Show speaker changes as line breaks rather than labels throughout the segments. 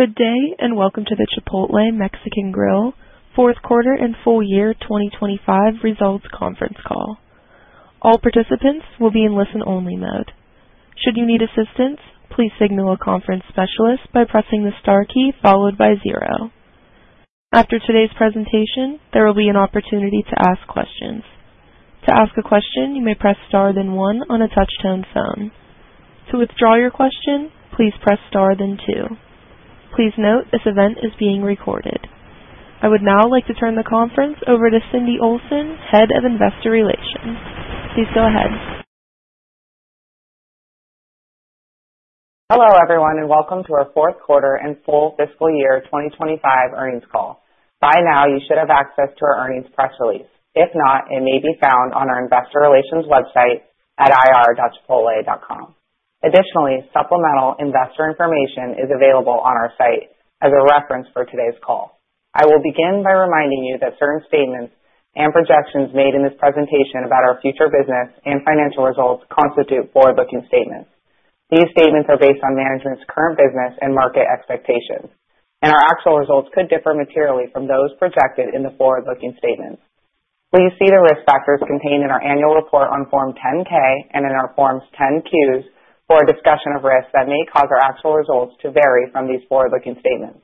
Good day and welcome to the Chipotle Mexican Grill Fourth Quarter and Full Year 2025 Results Conference Call. All participants will be in listen-only mode. Should you need assistance, please signal a conference specialist by pressing the star key followed by 0. After today's presentation, there will be an opportunity to ask questions. To ask a question, you may press star then one on a touch-tone phone. To withdraw your question, please press star then two. Please note, this event is being recorded. I would now like to turn the conference over to Cindy Olsen, Head of Investor Relations. Please go ahead.
Hello everyone and welcome to our fourth quarter and full fiscal year 2025 earnings call. By now, you should have access to our earnings press release. If not, it may be found on our investor relations website at ir.chipotle.com. Additionally, supplemental investor information is available on our site as a reference for today's call. I will begin by reminding you that certain statements and projections made in this presentation about our future business and financial results constitute forward-looking statements. These statements are based on management's current business and market expectations, and our actual results could differ materially from those projected in the forward-looking statements. Please see the risk factors contained in our annual report on Form 10-K and in our Forms 10-Q for a discussion of risks that may cause our actual results to vary from these forward-looking statements.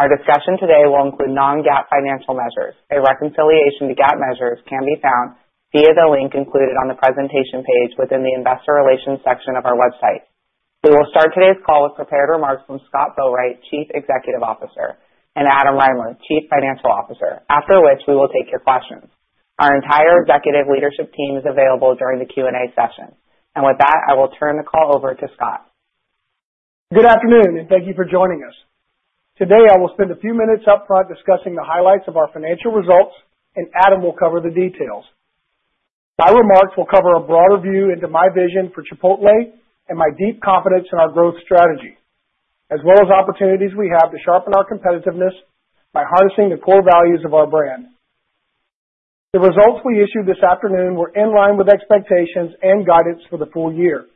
Our discussion today will include non-GAAP financial measures. A reconciliation to GAAP measures can be found via the link included on the presentation page within the investor relations section of our website. We will start today's call with prepared remarks from Scott Boatwright, Chief Executive Officer, and Adam Rymer, Chief Financial Officer, after which we will take your questions. Our entire executive leadership team is available during the Q&A session. With that, I will turn the call over to Scott.
Good afternoon and thank you for joining us. Today, I will spend a few minutes upfront discussing the highlights of our financial results, and Adam will cover the details. My remarks will cover a broader view into my vision for Chipotle and my deep confidence in our growth strategy, as well as opportunities we have to sharpen our competitiveness by harnessing the core values of our brand. The results we issued this afternoon were in line with expectations and guidance for the full year.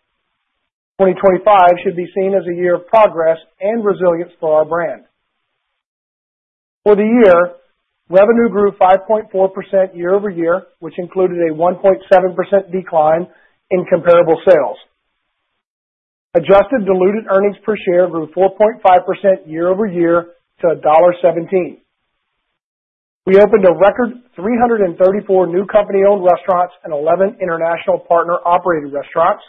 2025 should be seen as a year of progress and resilience for our brand. For the year, revenue grew 5.4% year-over-year, which included a 1.7% decline in comparable sales. Adjusted diluted earnings per share grew 4.5% year-over-year to $1.17. We opened a record 334 new company-owned restaurants and 11 international partner-operated restaurants.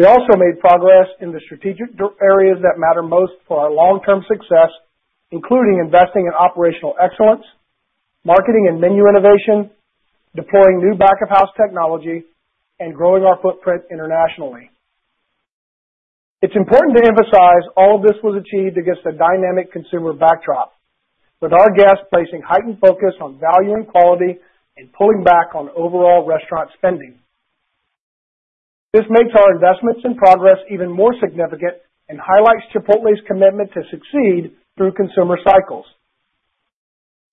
We also made progress in the strategic areas that matter most for our long-term success, including investing in operational excellence, marketing and menu innovation, deploying new back-of-house technology, and growing our footprint internationally. It's important to emphasize all of this was achieved against a dynamic consumer backdrop, with our guests placing heightened focus on value and quality and pulling back on overall restaurant spending. This makes our investments and progress even more significant and highlights Chipotle's commitment to succeed through consumer cycles.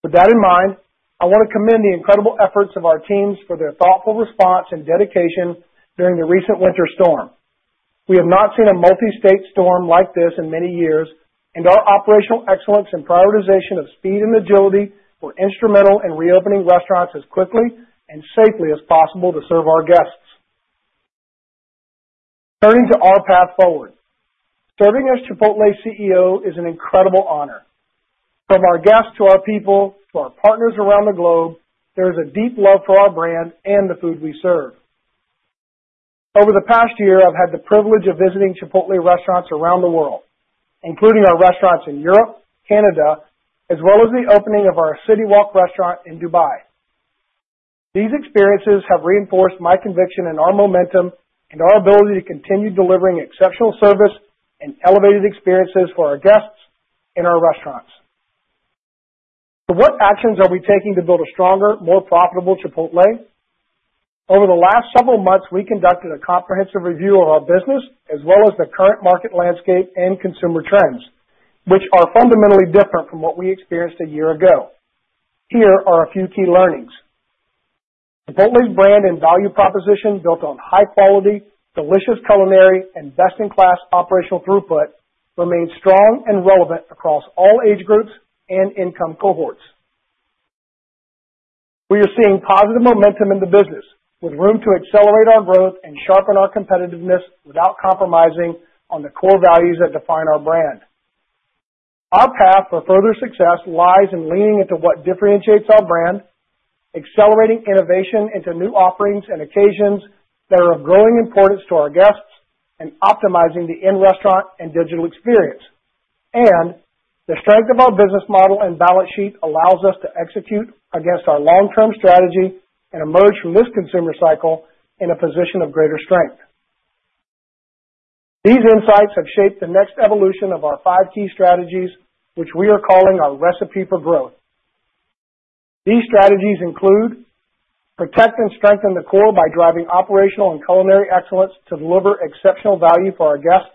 With that in mind, I want to commend the incredible efforts of our teams for their thoughtful response and dedication during the recent winter storm. We have not seen a multi-state storm like this in many years, and our operational excellence and prioritization of speed and agility were instrumental in reopening restaurants as quickly and safely as possible to serve our guests. Turning to our path forward, serving as Chipotle CEO is an incredible honor. From our guests to our people to our partners around the globe, there is a deep love for our brand and the food we serve. Over the past year, I've had the privilege of visiting Chipotle restaurants around the world, including our restaurants in Europe, Canada, as well as the opening of our City Walk restaurant in Dubai. These experiences have reinforced my conviction in our momentum and our ability to continue delivering exceptional service and elevated experiences for our guests and our restaurants. So what actions are we taking to build a stronger, more profitable Chipotle? Over the last several months, we conducted a comprehensive review of our business as well as the current market landscape and consumer trends, which are fundamentally different from what we experienced a year ago. Here are a few key learnings. Chipotle's brand and value proposition built on high quality, delicious culinary, and best-in-class operational throughput remains strong and relevant across all age groups and income cohorts. We are seeing positive momentum in the business, with room to accelerate our growth and sharpen our competitiveness without compromising on the core values that define our brand. Our path for further success lies in leaning into what differentiates our brand, accelerating innovation into new offerings and occasions that are of growing importance to our guests, and optimizing the in-restaurant and digital experience. The strength of our business model and balance sheet allows us to execute against our long-term strategy and emerge from this consumer cycle in a position of greater strength. These insights have shaped the next evolution of our five key strategies, which we are calling our Recipe for Growth. These strategies include protect and strengthen the core by driving operational and culinary excellence to deliver exceptional value for our guests,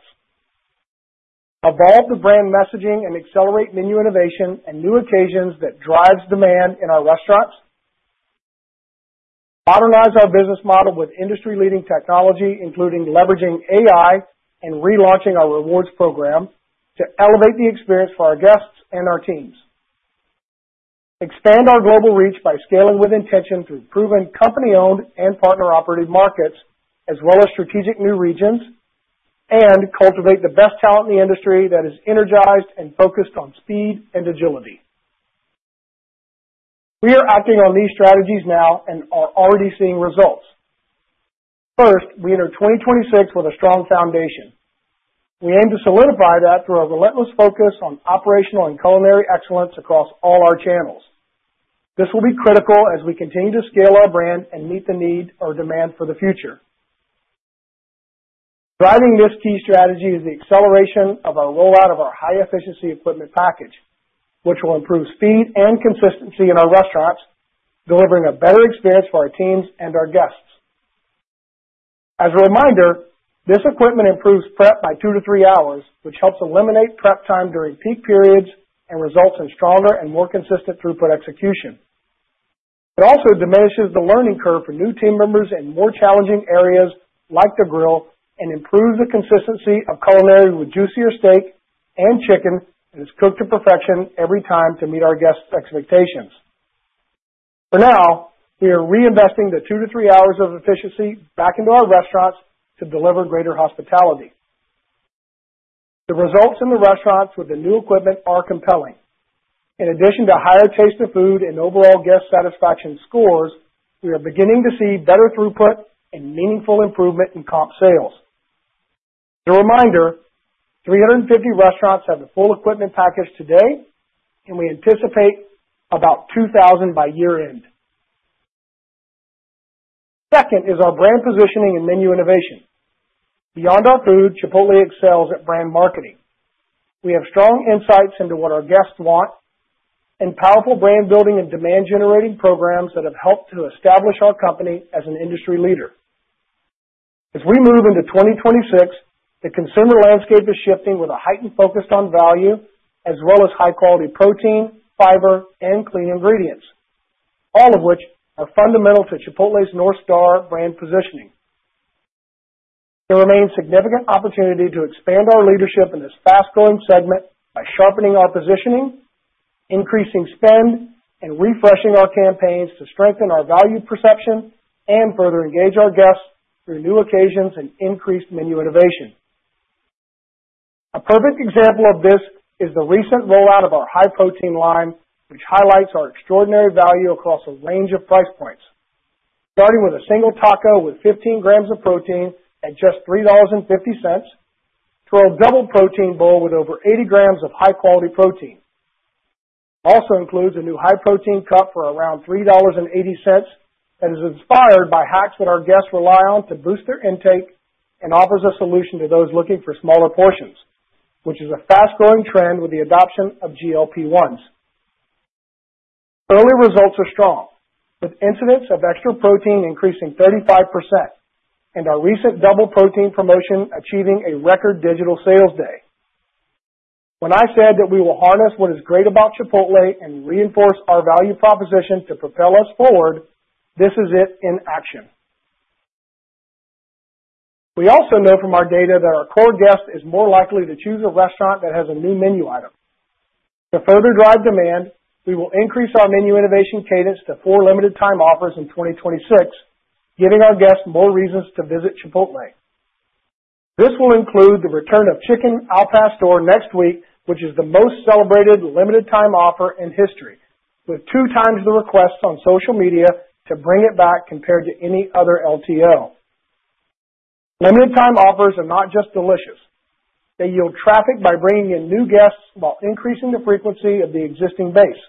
evolve the brand messaging and accelerate menu innovation and new occasions that drive demand in our restaurants, modernize our business model with industry-leading technology, including leveraging AI and relaunching our rewards program to elevate the experience for our guests and our teams, expand our global reach by scaling with intention through proven company-owned and partner-operated markets as well as strategic new regions, and cultivate the best talent in the industry that is energized and focused on speed and agility. We are acting on these strategies now and are already seeing results. First, we enter 2026 with a strong foundation. We aim to solidify that through a relentless focus on operational and culinary excellence across all our channels. This will be critical as we continue to scale our brand and meet the need or demand for the future. Driving this key strategy is the acceleration of our rollout of our High Efficiency Equipment Package, which will improve speed and consistency in our restaurants, delivering a better experience for our teams and our guests. As a reminder, this equipment improves prep by two to three hours, which helps eliminate prep time during peak periods and results in stronger and more consistent throughput execution. It also diminishes the learning curve for new team members in more challenging areas like the grill and improves the consistency of culinary with juicier steak and chicken that is cooked to perfection every time to meet our guests' expectations. For now, we are reinvesting the two to three hours of efficiency back into our restaurants to deliver greater hospitality. The results in the restaurants with the new equipment are compelling. In addition to higher taste of food and overall guest satisfaction scores, we are beginning to see better throughput and meaningful improvement in comp sales. As a reminder, 350 restaurants have the full equipment package today, and we anticipate about 2,000 by year-end. Second is our brand positioning and menu innovation. Beyond our food, Chipotle excels at brand marketing. We have strong insights into what our guests want and powerful brand-building and demand-generating programs that have helped to establish our company as an industry leader. As we move into 2026, the consumer landscape is shifting with a heightened focus on value as well as high-quality protein, fiber, and clean ingredients, all of which are fundamental to Chipotle's North Star brand positioning. There remains significant opportunity to expand our leadership in this fast-growing segment by sharpening our positioning, increasing spend, and refreshing our campaigns to strengthen our value perception and further engage our guests through new occasions and increased menu innovation. A perfect example of this is the recent rollout of our high-protein line, which highlights our extraordinary value across a range of price points, starting with a single taco with 15 grams of protein at just $3.50 to a double protein bowl with over 80 grams of high-quality protein. It also includes a new high-protein cup for around $3.80 that is inspired by hacks that our guests rely on to boost their intake and offers a solution to those looking for smaller portions, which is a fast-growing trend with the adoption of GLP-1s. Early results are strong, with incidence of extra protein increasing 35% and our recent double protein promotion achieving a record digital sales day. When I said that we will harness what is great about Chipotle and reinforce our value proposition to propel us forward, this is it in action. We also know from our data that our core guest is more likely to choose a restaurant that has a new menu item. To further drive demand, we will increase our menu innovation cadence to four limited-time offers in 2026, giving our guests more reasons to visit Chipotle. This will include the return of Chicken Al Pastor next week, which is the most celebrated limited-time offer in history, with two times the requests on social media to bring it back compared to any other LTO. Limited-time offers are not just delicious. They yield traffic by bringing in new guests while increasing the frequency of the existing base.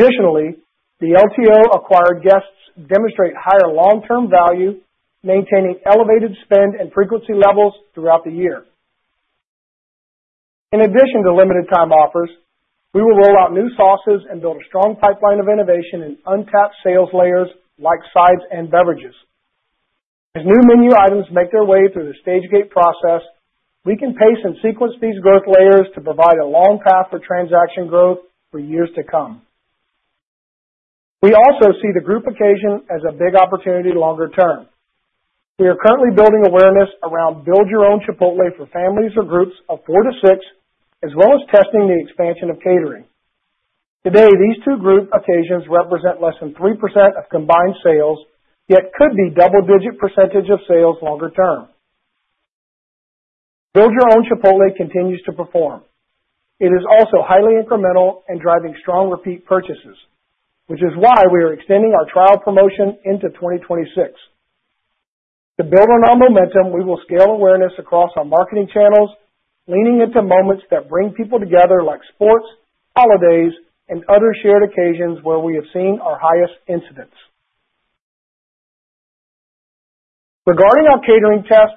Additionally, the LTO-acquired guests demonstrate higher long-term value, maintaining elevated spend and frequency levels throughout the year. In addition to limited-time offers, we will roll out new sauces and build a strong pipeline of innovation in untapped sales layers like sides and beverages. As new menu items make their way through the Stage-Gate process, we can pace and sequence these growth layers to provide a long path for transaction growth for years to come. We also see the group occasion as a big opportunity longer term. We are currently building awareness around Build Your Own Chipotle for families or groups of four to six, as well as testing the expansion of catering. Today, these two group occasions represent less than 3% of combined sales, yet could be double-digit percentage of sales longer term. Build Your Own Chipotle continues to perform. It is also highly incremental and driving strong repeat purchases, which is why we are extending our trial promotion into 2026. To build on our momentum, we will scale awareness across our marketing channels, leaning into moments that bring people together like sports, holidays, and other shared occasions where we have seen our highest incidence. Regarding our catering tests,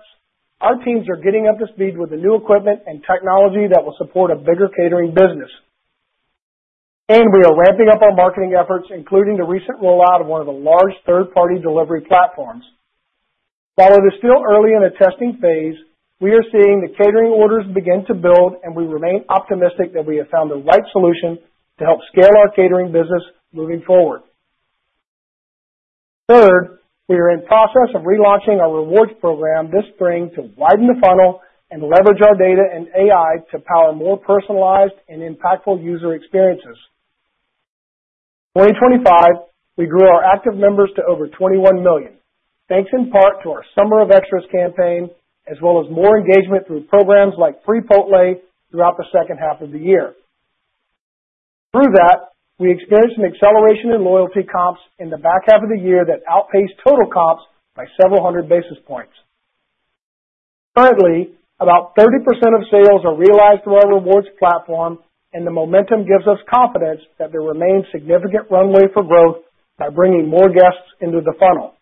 our teams are getting up to speed with the new equipment and technology that will support a bigger catering business. We are ramping up our marketing efforts, including the recent rollout of one of the large third-party delivery platforms. While it is still early in the testing phase, we are seeing the catering orders begin to build, and we remain optimistic that we have found the right solution to help scale our catering business moving forward. Third, we are in the process of relaunching our rewards program this spring to widen the funnel and leverage our data and AI to power more personalized and impactful user experiences. In 2025, we grew our active members to over 21 million, thanks in part to our Summer of Extras campaign as well as more engagement through programs like Freepotle throughout the second half of the year. Through that, we experienced an acceleration in loyalty comps in the back half of the year that outpaced total comps by several hundred basis points. Currently, about 30% of sales are realized through our rewards platform, and the momentum gives us confidence that there remains significant runway for growth by bringing more guests into the funnel,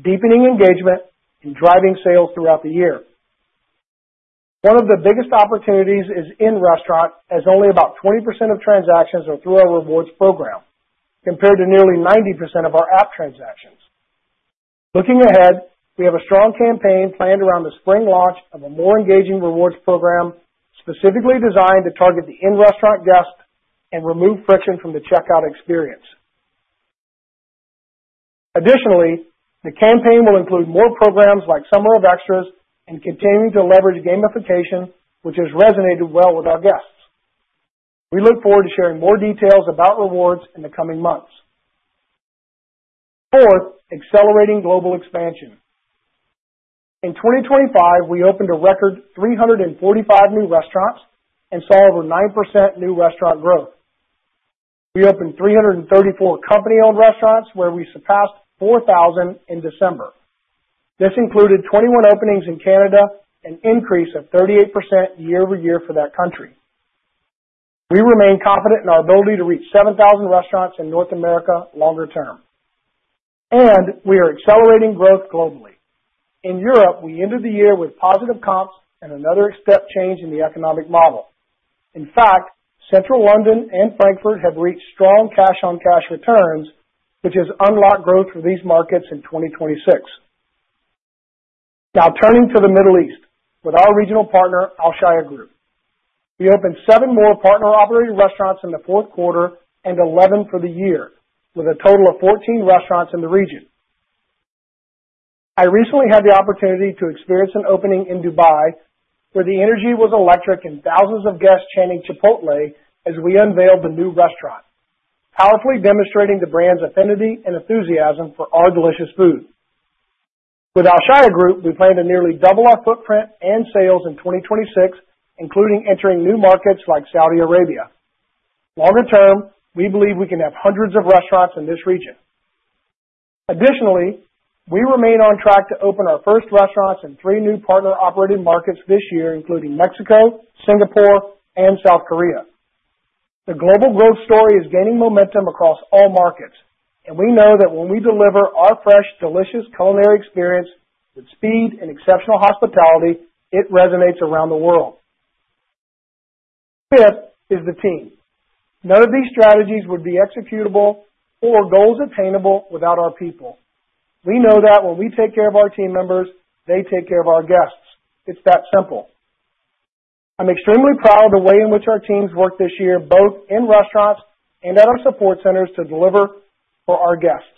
deepening engagement, and driving sales throughout the year. One of the biggest opportunities is in-restaurant, as only about 20% of transactions are through our rewards program compared to nearly 90% of our app transactions. Looking ahead, we have a strong campaign planned around the spring launch of a more engaging rewards program specifically designed to target the in-restaurant guest and remove friction from the checkout experience. Additionally, the campaign will include more programs like Summer of Extras and continue to leverage gamification, which has resonated well with our guests. We look forward to sharing more details about rewards in the coming months. Fourth, accelerating global expansion. In 2025, we opened a record 345 new restaurants and saw over 9% new restaurant growth. We opened 334 company-owned restaurants where we surpassed 4,000 in December. This included 21 openings in Canada, an increase of 38% year-over-year for that country. We remain confident in our ability to reach 7,000 restaurants in North America longer term. We are accelerating growth globally. In Europe, we entered the year with positive comps and another step change in the economic model. In fact, Central London and Frankfurt have reached strong cash-on-cash returns, which has unlocked growth for these markets in 2026. Now, turning to the Middle East with our regional partner, Alshaya Group. We opened seven more partner-operated restaurants in the fourth quarter and 11 for the year, with a total of 14 restaurants in the region. I recently had the opportunity to experience an opening in Dubai where the energy was electric and thousands of guests chanting "Chipotle" as we unveiled the new restaurant, powerfully demonstrating the brand's affinity and enthusiasm for our delicious food. With Alshaya Group, we plan to nearly double our footprint and sales in 2026, including entering new markets like Saudi Arabia. Longer term, we believe we can have hundreds of restaurants in this region. Additionally, we remain on track to open our first restaurants in three new partner-operated markets this year, including Mexico, Singapore, and South Korea. The global growth story is gaining momentum across all markets, and we know that when we deliver our fresh, delicious culinary experience with speed and exceptional hospitality, it resonates around the world. Fifth is the team. None of these strategies would be executable or goals attainable without our people. We know that when we take care of our team members, they take care of our guests. It's that simple. I'm extremely proud of the way in which our teams worked this year, both in restaurants and at our support centers, to deliver for our guests.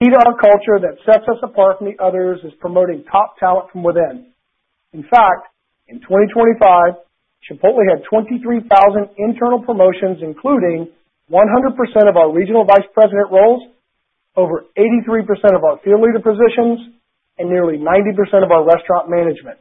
Key to our culture that sets us apart from the others is promoting top talent from within. In fact, in 2025, Chipotle had 23,000 internal promotions, including 100% of our regional vice president roles, over 83% of our field leader positions, and nearly 90% of our restaurant management.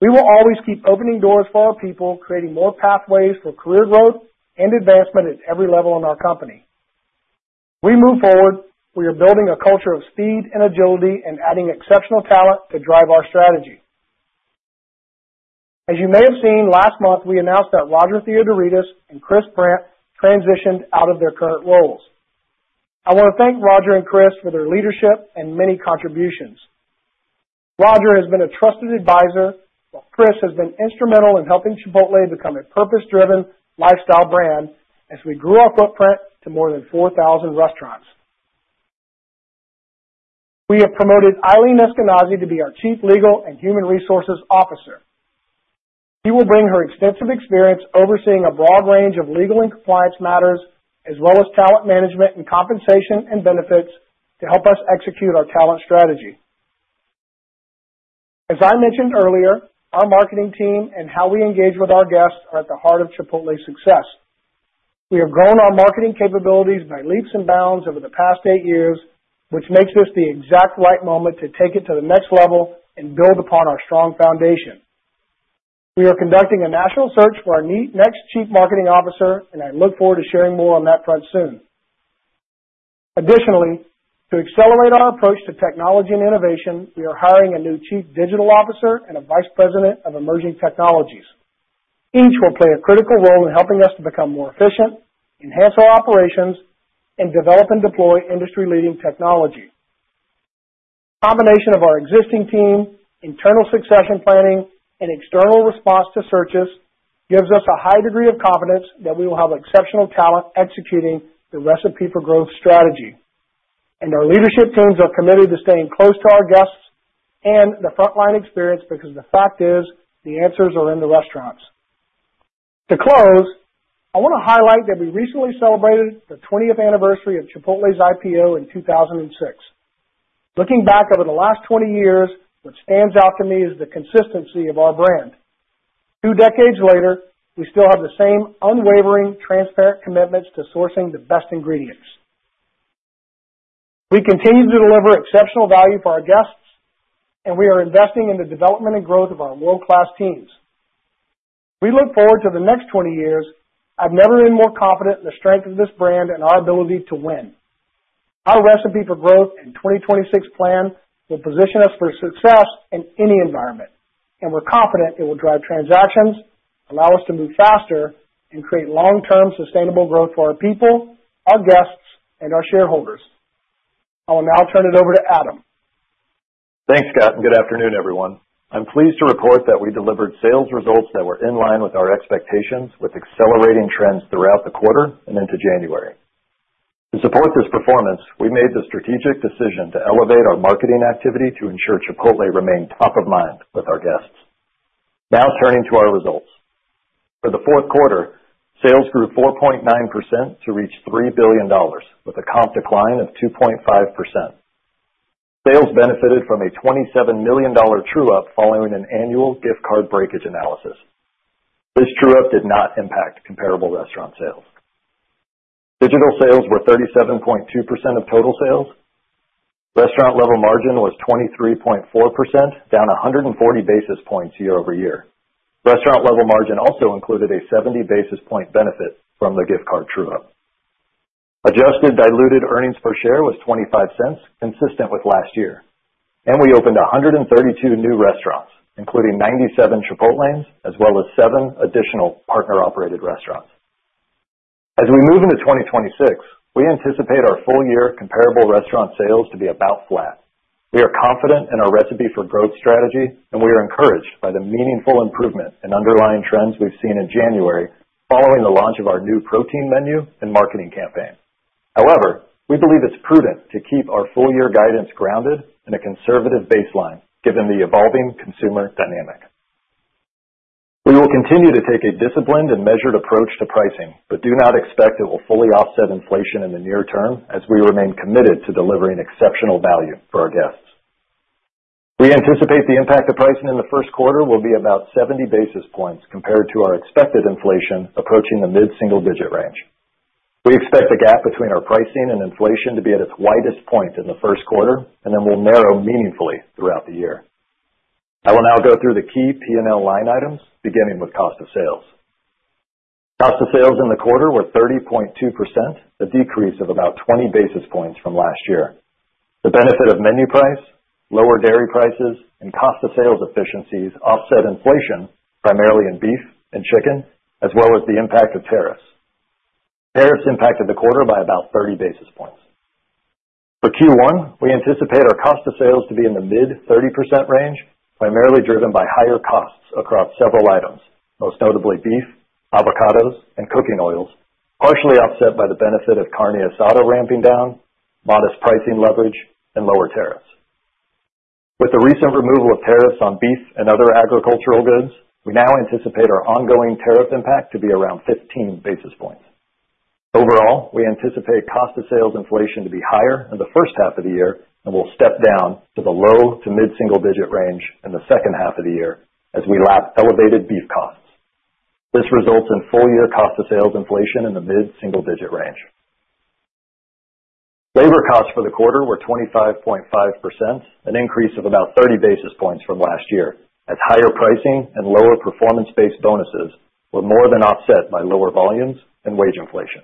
We will always keep opening doors for our people, creating more pathways for career growth and advancement at every level in our company. As we move forward, we are building a culture of speed and agility and adding exceptional talent to drive our strategy. As you may have seen last month, we announced that Roger Theodoredis and Chris Brandt transitioned out of their current roles. I want to thank Roger and Chris for their leadership and many contributions. Roger has been a trusted advisor, while Chris has been instrumental in helping Chipotle become a purpose-driven lifestyle brand as we grew our footprint to more than 4,000 restaurants. We have promoted Ilene Eskenazi to be our Chief Legal and Human Resources Officer. She will bring her extensive experience overseeing a broad range of legal and compliance matters, as well as talent management and compensation and benefits, to help us execute our talent strategy. As I mentioned earlier, our marketing team and how we engage with our guests are at the heart of Chipotle's success. We have grown our marketing capabilities by leaps and bounds over the past eight years, which makes this the exact right moment to take it to the next level and build upon our strong foundation. We are conducting a national search for our next Chief Marketing Officer, and I look forward to sharing more on that front soon. Additionally, to accelerate our approach to technology and innovation, we are hiring a new Chief Digital Officer and a Vice President of Emerging Technologies. Each will play a critical role in helping us to become more efficient, enhance our operations, and develop and deploy industry-leading technology. The combination of our existing team, internal succession planning, and external response to searches gives us a high degree of confidence that we will have exceptional talent executing the Recipe for Growth strategy. Our leadership teams are committed to staying close to our guests and the frontline experience because the fact is, the answers are in the restaurants. To close, I want to highlight that we recently celebrated the 20th anniversary of Chipotle's IPO in 2006. Looking back over the last 20 years, what stands out to me is the consistency of our brand. Two decades later, we still have the same unwavering, transparent commitments to sourcing the best ingredients. We continue to deliver exceptional value for our guests, and we are investing in the development and growth of our world-class teams. As we look forward to the next 20 years, I've never been more confident in the strength of this brand and our ability to win. Our Recipe for Growth and 2026 plan will position us for success in any environment, and we're confident it will drive transactions, allow us to move faster, and create long-term, sustainable growth for our people, our guests, and our shareholders. I will now turn it over to Adam.
Thanks, Scott, and good afternoon, everyone. I'm pleased to report that we delivered sales results that were in line with our expectations, with accelerating trends throughout the quarter and into January. To support this performance, we made the strategic decision to elevate our marketing activity to ensure Chipotle remained top of mind with our guests. Now, turning to our results. For the fourth quarter, sales grew 4.9% to reach $3 billion, with a comp decline of 2.5%. Sales benefited from a $27 million true-up following an annual gift card breakage analysis. This true-up did not impact comparable restaurant sales. Digital sales were 37.2% of total sales. Restaurant-level margin was 23.4%, down 140 basis points year-over-year. Restaurant-level margin also included a 70 basis point benefit from the gift card true-up. Adjusted diluted earnings per share was $0.25, consistent with last year. We opened 132 new restaurants, including 97 Chipotles as well as 7 additional partner-operated restaurants. As we move into 2026, we anticipate our full-year comparable restaurant sales to be about flat. We are confident in our Recipe for Growth strategy, and we are encouraged by the meaningful improvement in underlying trends we've seen in January following the launch of our new protein menu and marketing campaign. However, we believe it's prudent to keep our full-year guidance grounded in a conservative baseline given the evolving consumer dynamic. We will continue to take a disciplined and measured approach to pricing, but do not expect it will fully offset inflation in the near term as we remain committed to delivering exceptional value for our guests. We anticipate the impact of pricing in the first quarter will be about 70 basis points compared to our expected inflation approaching the mid-single digit range. We expect the gap between our pricing and inflation to be at its widest point in the first quarter, and then we'll narrow meaningfully throughout the year. I will now go through the key P&L line items, beginning with cost of sales. Cost of sales in the quarter were 30.2%, a decrease of about 20 basis points from last year. The benefit of menu price, lower dairy prices, and cost of sales efficiencies offset inflation, primarily in beef and chicken, as well as the impact of tariffs. Tariffs impacted the quarter by about 30 basis points. For Q1, we anticipate our cost of sales to be in the mid-30% range, primarily driven by higher costs across several items, most notably beef, avocados, and cooking oils, partially offset by the benefit of Carne Asada ramping down, modest pricing leverage, and lower tariffs. With the recent removal of tariffs on beef and other agricultural goods, we now anticipate our ongoing tariff impact to be around 15 basis points. Overall, we anticipate cost of sales inflation to be higher in the first half of the year and will step down to the low to mid-single digit range in the second half of the year as we lap elevated beef costs. This results in full-year cost of sales inflation in the mid-single digit range. Labor costs for the quarter were 25.5%, an increase of about 30 basis points from last year, as higher pricing and lower performance-based bonuses were more than offset by lower volumes and wage inflation.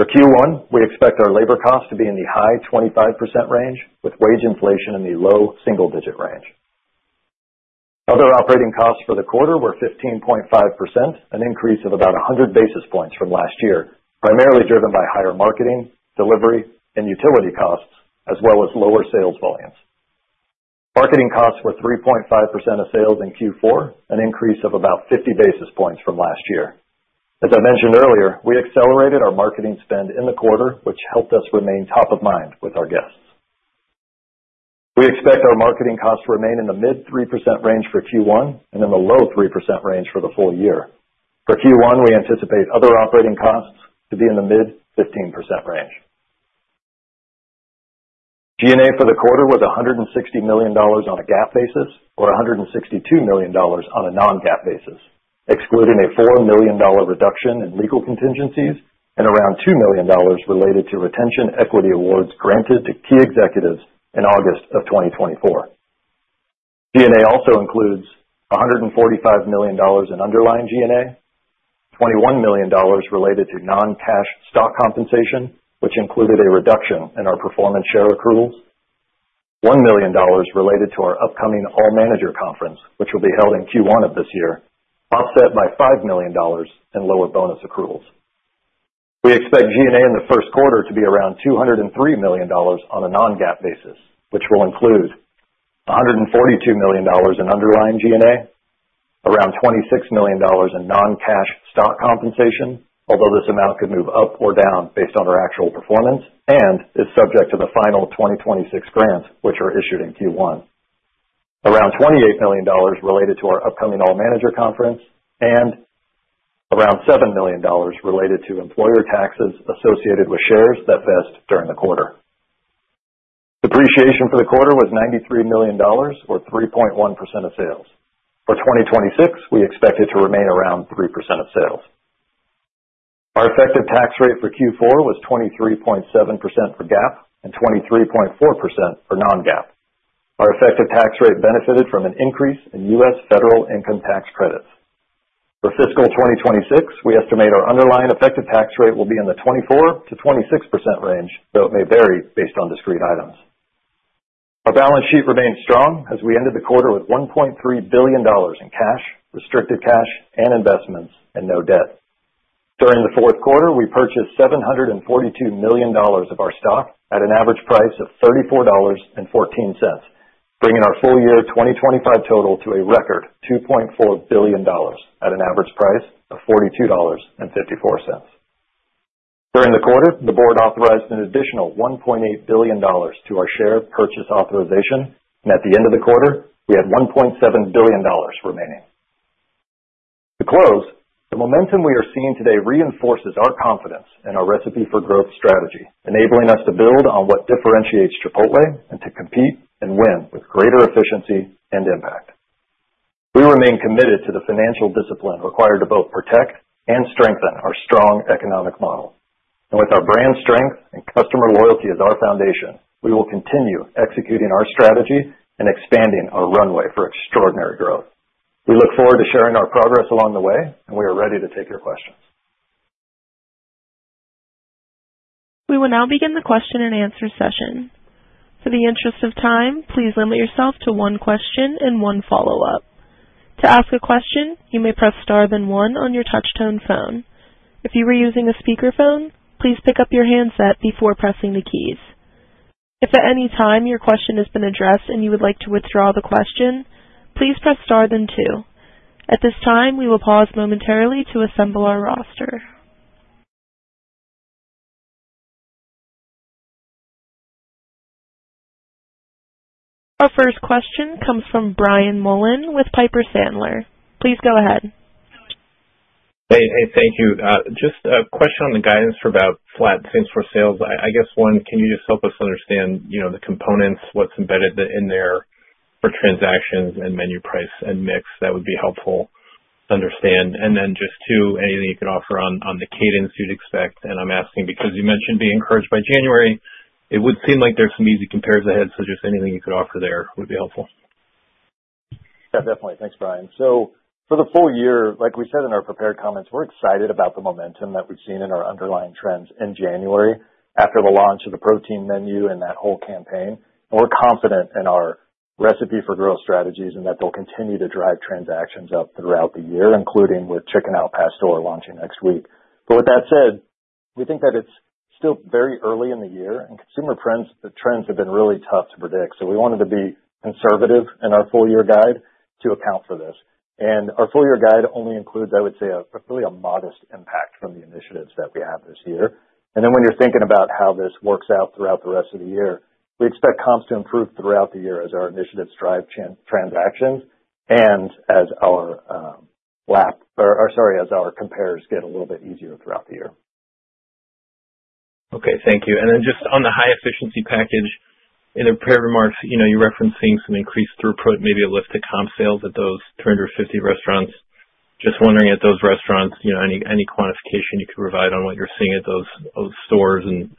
For Q1, we expect our labor costs to be in the high 25% range, with wage inflation in the low single digit range. Other operating costs for the quarter were 15.5%, an increase of about 100 basis points from last year, primarily driven by higher marketing, delivery, and utility costs, as well as lower sales volumes. Marketing costs were 3.5% of sales in Q4, an increase of about 50 basis points from last year. As I mentioned earlier, we accelerated our marketing spend in the quarter, which helped us remain top of mind with our guests. We expect our marketing costs to remain in the mid-3% range for Q1 and in the low-3% range for the full year. For Q1, we anticipate other operating costs to be in the mid-15% range. G&A for the quarter was $160 million on a GAAP basis or $162 million on a non-GAAP basis, excluding a $4 million reduction in legal contingencies and around $2 million related to retention equity awards granted to key executives in August of 2024. G&A also includes $145 million in underlying G&A, $21 million related to non-cash stock compensation, which included a reduction in our performance share accruals, $1 million related to our upcoming all-manager conference, which will be held in Q1 of this year, offset by $5 million in lower bonus accruals. We expect G&A in the first quarter to be around $203 million on a non-GAAP basis, which will include $142 million in underlying G&A, around $26 million in non-cash stock compensation, although this amount could move up or down based on our actual performance and is subject to the final 2026 grants, which are issued in Q1, around $28 million related to our upcoming all-manager conference, and around $7 million related to employer taxes associated with shares that vest during the quarter. Depreciation for the quarter was $93 million or 3.1% of sales. For 2026, we expect it to remain around 3% of sales. Our effective tax rate for Q4 was 23.7% for GAAP and 23.4% for non-GAAP. Our effective tax rate benefited from an increase in U.S. federal income tax credits. For fiscal 2026, we estimate our underlying effective tax rate will be in the 24%-26% range, though it may vary based on discrete items. Our balance sheet remained strong as we ended the quarter with $1.3 billion in cash, restricted cash, and investments, and no debt. During the fourth quarter, we purchased $742 million of our stock at an average price of $34.14, bringing our full-year 2025 total to a record $2.4 billion at an average price of $42.54. During the quarter, the Board authorized an additional $1.8 billion to our share purchase authorization, and at the end of the quarter, we had $1.7 billion remaining. To close, the momentum we are seeing today reinforces our confidence in our Recipe for Growth strategy, enabling us to build on what differentiates Chipotle and to compete and win with greater efficiency and impact. We remain committed to the financial discipline required to both protect and strengthen our strong economic model. With our brand strength and customer loyalty as our foundation, we will continue executing our strategy and expanding our runway for extraordinary growth. We look forward to sharing our progress along the way, and we are ready to take your questions.
We will now begin the question and answer session. For the interest of time, please limit yourself to one question and one follow-up. To ask a question, you may press star then one on your touch-tone phone. If you were using a speakerphone, please pick up your handset before pressing the keys. If at any time your question has been addressed and you would like to withdraw the question, please press star then two. At this time, we will pause momentarily to assemble our roster. Our first question comes from Brian Mullan with Piper Sandler. Please go ahead.
Hey, thank you. Just a question on the guidance for about flat comps for sales. I guess, one, can you just help us understand the components, what's embedded in there for transactions and menu price and mix? That would be helpful to understand. And then just two, anything you could offer on the cadence you'd expect. And I'm asking because you mentioned being encouraged by January. It would seem like there's some easy comps ahead, so just anything you could offer there would be helpful.
Yeah, definitely. Thanks, Brian. So for the full year, like we said in our prepared comments, we're excited about the momentum that we've seen in our underlying trends in January after the launch of the protein menu and that whole campaign. And we're confident in our Recipe for Growth strategies and that they'll continue to drive transactions up throughout the year, including with Chicken Al Pastor launching next week. But with that said, we think that it's still very early in the year, and consumer trends have been really tough to predict. So we wanted to be conservative in our full-year guide to account for this. And our full-year guide only includes, I would say, really a modest impact from the initiatives that we have this year. Then when you're thinking about how this works out throughout the rest of the year, we expect comps to improve throughout the year as our initiatives drive transactions and as our compares get a little bit easier throughout the year.
Okay, thank you. And then just on the high-efficiency package, in the prepared remarks, you're referencing some increased throughput, maybe a lift to comp sales at those 350 restaurants. Just wondering, at those restaurants, any quantification you could provide on what you're seeing at those stores and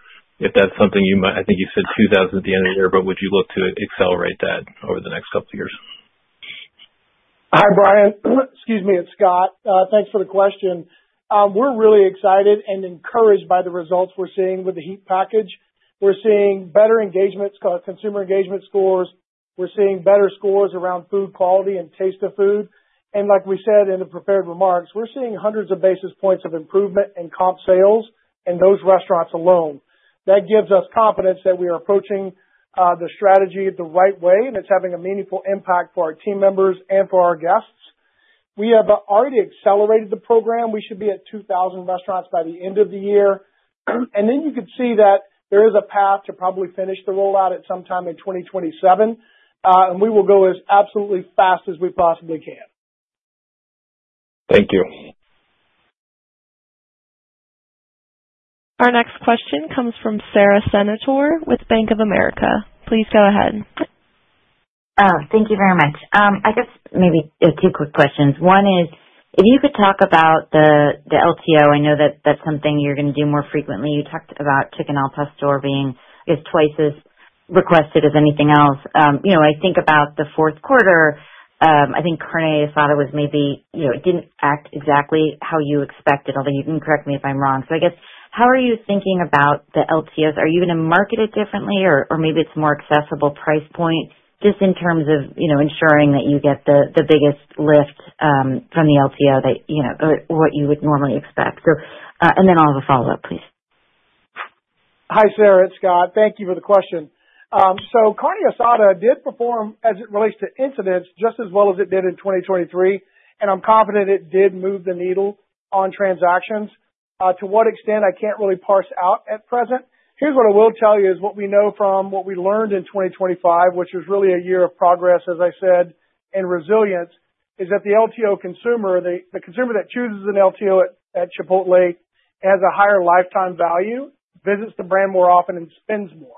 if that's something you might, I think you said 2,000 at the end of the year, but would you look to accelerate that over the next couple of years?
Hi, Brian. Excuse me. It's Scott. Thanks for the question. We're really excited and encouraged by the results we're seeing with the HEEP package. We're seeing better engagements, consumer engagement scores. We're seeing better scores around food quality and taste of food. And like we said in the prepared remarks, we're seeing hundreds of basis points of improvement in comp sales in those restaurants alone. That gives us confidence that we are approaching the strategy the right way, and it's having a meaningful impact for our team members and for our guests. We have already accelerated the program. We should be at 2,000 restaurants by the end of the year. And then you could see that there is a path to probably finish the rollout at some time in 2027, and we will go as absolutely fast as we possibly can.
Thank you.
Our next question comes from Sara Senatore with Bank of America. Please go ahead.
Thank you very much. I guess maybe two quick questions. One is, if you could talk about the LTO, I know that that's something you're going to do more frequently. You talked about Chicken Al Pastor being, I guess, twice as requested as anything else. I think about the fourth quarter, I think carne asada was maybe it didn't act exactly how you expected, although you can correct me if I'm wrong. So I guess, how are you thinking about the LTOs? Are you going to market it differently, or maybe it's a more accessible price point just in terms of ensuring that you get the biggest lift from the LTO that what you would normally expect? And then I'll have a follow-up, please.
Hi, Sara. It's Scott. Thank you for the question. So carne asada did perform as it relates to incidence just as well as it did in 2023, and I'm confident it did move the needle on transactions. To what extent, I can't really parse out at present. Here's what I will tell you is what we know from what we learned in 2025, which was really a year of progress, as I said, and resilience, is that the LTO consumer, the consumer that chooses an LTO at Chipotle has a higher lifetime value, visits the brand more often, and spends more.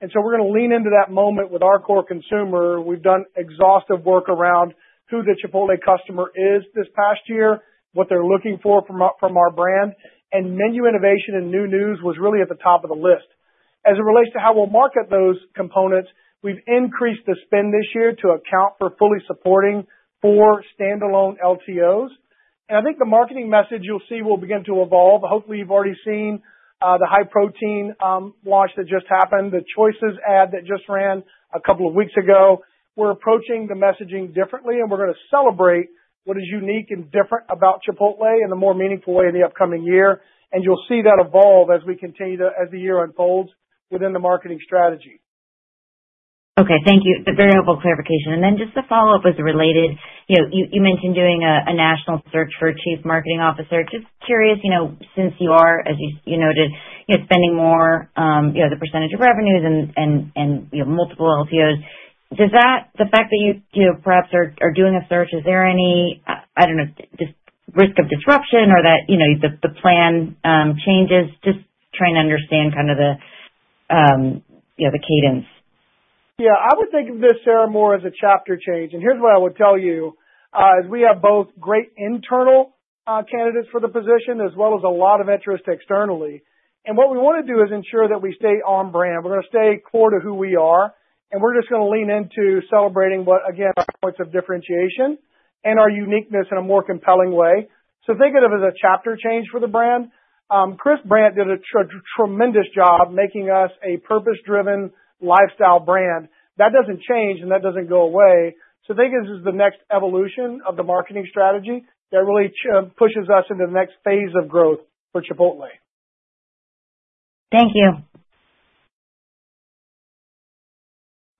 And so we're going to lean into that moment with our core consumer. We've done exhaustive work around who the Chipotle customer is this past year, what they're looking for from our brand, and menu innovation and new news was really at the top of the list. As it relates to how we'll market those components, we've increased the spend this year to account for fully supporting four standalone LTOs. And I think the marketing message you'll see will begin to evolve. Hopefully, you've already seen the high protein launch that just happened, the Choices ad that just ran a couple of weeks ago. We're approaching the messaging differently, and we're going to celebrate what is unique and different about Chipotle in a more meaningful way in the upcoming year. And you'll see that evolve as we continue to, as the year unfolds, within the marketing strategy.
Okay, thank you. Very helpful clarification. And then just a follow-up as it related, you mentioned doing a national search for Chief Marketing Officer. Just curious, since you are, as you noted, spending more, the percentage of revenues and multiple LTOs, does that the fact that you perhaps are doing a search, is there any, I don't know, risk of disruption or that the plan changes? Just trying to understand kind of the cadence.
Yeah, I would think of this, Sarah, more as a chapter change. And here's what I would tell you, is we have both great internal candidates for the position as well as a lot of interest externally. And what we want to do is ensure that we stay on brand. We're going to stay core to who we are, and we're just going to lean into celebrating what, again, are points of differentiation and our uniqueness in a more compelling way. So think of it as a chapter change for the brand. Chris Brandt did a tremendous job making us a purpose-driven lifestyle brand. That doesn't change, and that doesn't go away. So I think this is the next evolution of the marketing strategy that really pushes us into the next phase of growth for Chipotle.
Thank you.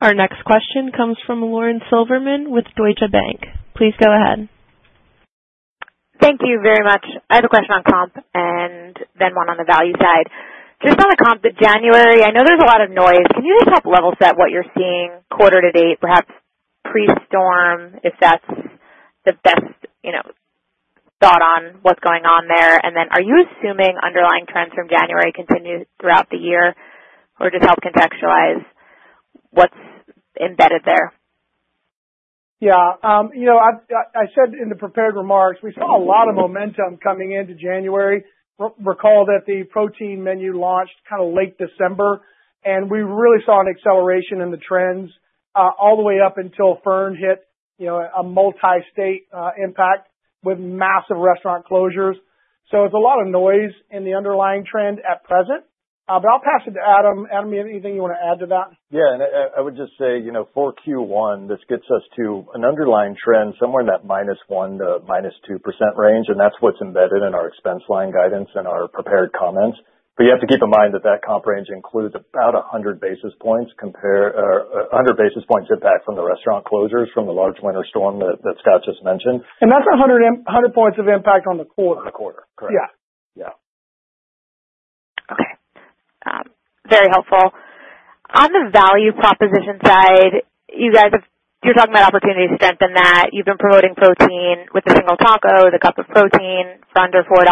Our next question comes from Lauren Silberman with Deutsche Bank. Please go ahead.
Thank you very much. I have a question on comp and then one on the value side. Just on the comp that January, I know there's a lot of noise. Can you just help level set what you're seeing quarter to date, perhaps pre-storm, if that's the best thought on what's going on there? And then are you assuming underlying trends from January continue throughout the year, or just help contextualize what's embedded there?
Yeah. I said in the prepared remarks, we saw a lot of momentum coming into January. Recall that the protein menu launched kind of late December, and we really saw an acceleration in the trends all the way up until Fern hit a multi-state impact with massive restaurant closures. So it's a lot of noise in the underlying trend at present. But I'll pass it to Adam. Adam, do you have anything you want to add to that?
Yeah. I would just say for Q1, this gets us to an underlying trend somewhere in that -1% to -2% range, and that's what's embedded in our expense line guidance and our prepared comments. But you have to keep in mind that that comp range includes about 100 basis points impact from the restaurant closures from the large winter storm that Scott just mentioned.
That's 100 points of impact on the quarter.
On the quarter, correct.
Okay. Very helpful. On the value proposition side, you guys have, you're talking about opportunity to strengthen that. You've been promoting protein with the single taco, the cup of protein for under $4.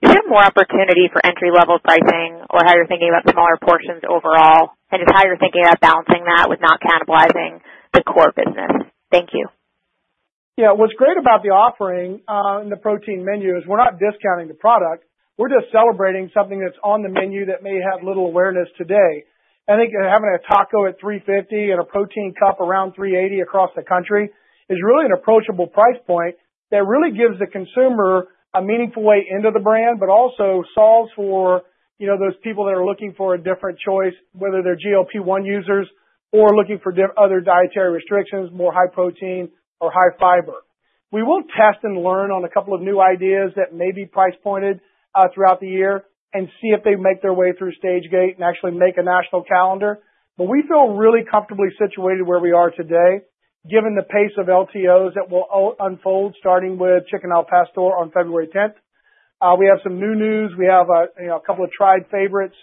Is there more opportunity for entry-level pricing or how you're thinking about smaller portions overall and just how you're thinking about balancing that with not cannibalizing the core business? Thank you.
Yeah. What's great about the offering in the protein menu is we're not discounting the product. We're just celebrating something that's on the menu that may have little awareness today. I think having a taco at $3.50 and a protein cup around $3.80 across the country is really an approachable price point that really gives the consumer a meaningful way into the brand but also solves for those people that are looking for a different choice, whether they're GLP-1 users or looking for other dietary restrictions, more high protein or high fiber. We will test and learn on a couple of new ideas that may be price pointed throughout the year and see if they make their way through Stage-Gate and actually make a national calendar. But we feel really comfortably situated where we are today given the pace of LTOs that will unfold starting with Chicken Al Pastor on February 10th. We have some new news. We have a couple of tried favorites,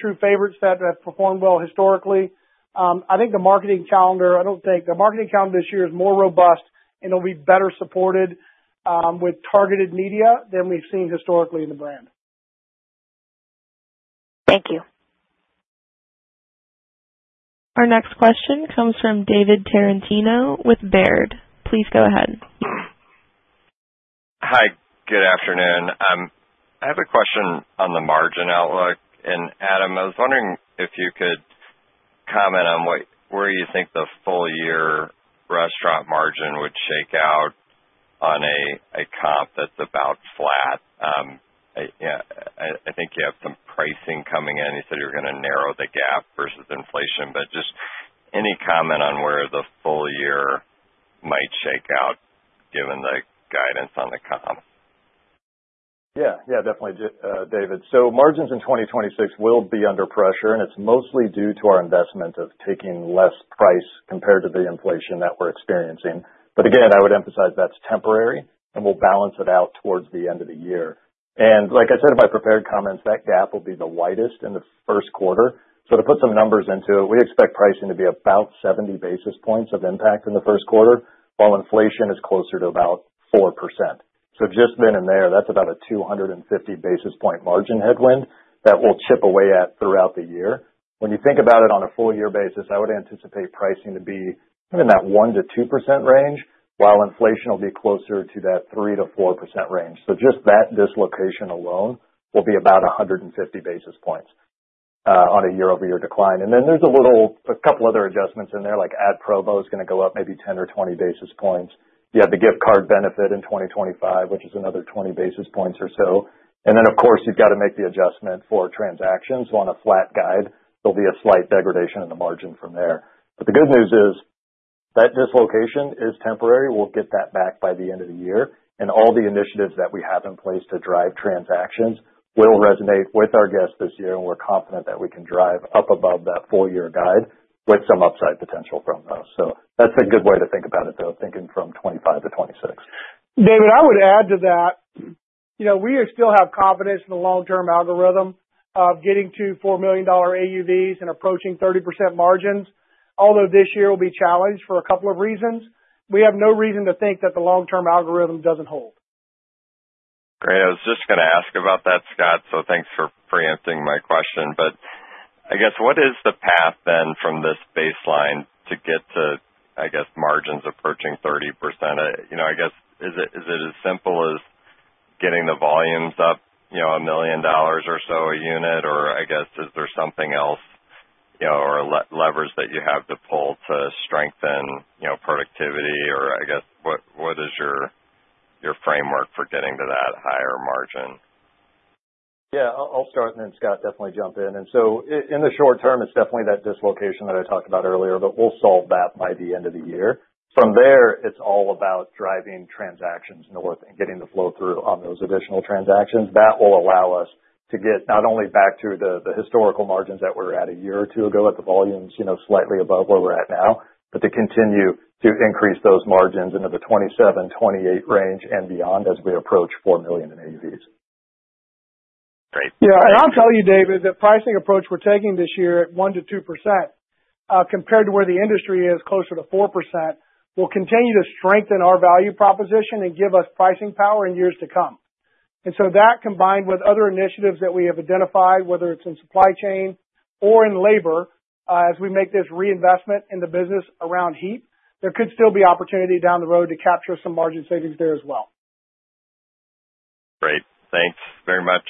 true favorites that have performed well historically. The marketing calendar this year is more robust, and it'll be better supported with targeted media than we've seen historically in the brand.
Thank you.
Our next question comes from David Tarantino with Baird. Please go ahead.
Hi. Good afternoon. I have a question on the margin outlook. Adam, I was wondering if you could comment on where you think the full-year restaurant margin would shake out on a comp that's about flat. I think you have some pricing coming in. You said you were going to narrow the gap versus inflation. Just any comment on where the full year might shake out given the guidance on the comp?
Yeah. Yeah, definitely, David. So margins in 2026 will be under pressure, and it's mostly due to our investment of taking less price compared to the inflation that we're experiencing. But again, I would emphasize that's temporary, and we'll balance it out towards the end of the year. And like I said in my prepared comments, that gap will be the widest in the first quarter. So to put some numbers into it, we expect pricing to be about 70 basis points of impact in the first quarter while inflation is closer to about 4%. So just then and there, that's about a 250 basis points margin headwind that we'll chip away at throughout the year. When you think about it on a full-year basis, I would anticipate pricing to be kind of in that 1%-2% range while inflation will be closer to that 3%-4% range. So just that dislocation alone will be about 150 basis points on a year-over-year decline. And then there's a couple other adjustments in there. Ad promo is going to go up maybe 10 or 20 basis points. You have the gift card benefit in 2025, which is another 20 basis points or so. And then, of course, you've got to make the adjustment for transactions. So on a flat guide, there'll be a slight degradation in the margin from there. But the good news is that dislocation is temporary. We'll get that back by the end of the year. And all the initiatives that we have in place to drive transactions will resonate with our guests this year, and we're confident that we can drive up above that full-year guide with some upside potential from those. That's a good way to think about it, though, thinking from 2025 to 2026.
David, I would add to that. We still have confidence in the long-term algorithm of getting to $4 million AUVs and approaching 30% margins, although this year will be challenged for a couple of reasons. We have no reason to think that the long-term algorithm doesn't hold.
Great. I was just going to ask about that, Scott. So thanks for preempting my question. But I guess, what is the path then from this baseline to get to, I guess, margins approaching 30%? I guess, is it as simple as getting the volumes up $1 million or so a unit, or I guess, is there something else or levers that you have to pull to strengthen productivity? Or I guess, what is your framework for getting to that higher margin?
Yeah. I'll start, and then Scott definitely jump in. So in the short term, it's definitely that dislocation that I talked about earlier, but we'll solve that by the end of the year. From there, it's all about driving transactions north and getting the flow through on those additional transactions. That will allow us to get not only back to the historical margins that we were at a year or two ago at the volumes slightly above where we're at now, but to continue to increase those margins into the 2027, 2028 range and beyond as we approach 4 million in AUVs.
Great.
Yeah. I'll tell you, David, the pricing approach we're taking this year at 1%-2% compared to where the industry is, closer to 4%, will continue to strengthen our value proposition and give us pricing power in years to come. So that, combined with other initiatives that we have identified, whether it's in supply chain or in labor, as we make this reinvestment in the business around HEEP, there could still be opportunity down the road to capture some margin savings there as well.
Great. Thanks very much.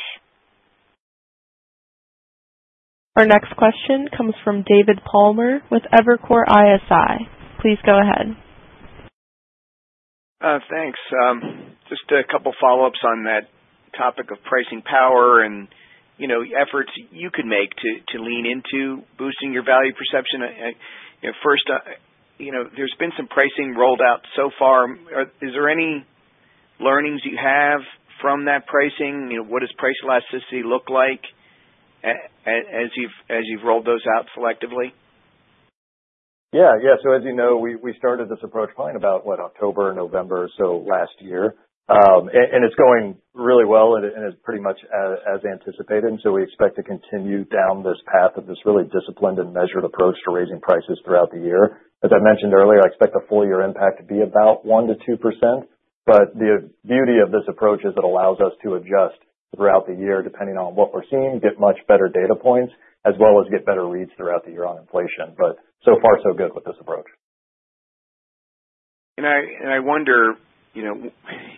Our next question comes from David Palmer with Evercore ISI. Please go ahead.
Thanks. Just a couple of follow-ups on that topic of pricing power and efforts you could make to lean into boosting your value perception. First, there's been some pricing rolled out so far. Is there any learnings you have from that pricing? What does price elasticity look like as you've rolled those out selectively?
Yeah. Yeah. So as you know, we started this approach probably in about, what, October, November, so last year. And it's going really well, and it's pretty much as anticipated. And so we expect to continue down this path of this really disciplined and measured approach to raising prices throughout the year. As I mentioned earlier, I expect the full-year impact to be about 1%-2%. But the beauty of this approach is it allows us to adjust throughout the year depending on what we're seeing, get much better data points, as well as get better reads throughout the year on inflation. But so far, so good with this approach.
I wonder,